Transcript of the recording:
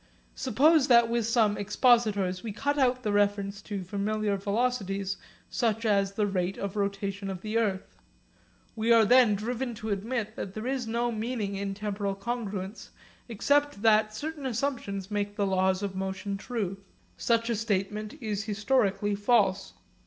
Suppose that with some expositors we cut out the reference to familiar velocities such as the rate of rotation of the earth. We are then driven to admit that there is no meaning in temporal congruence except that certain assumptions make the laws of motion true. Such a statement is historically false.